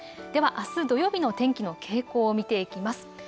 ではあす土曜日の天気の傾向を見ていきます。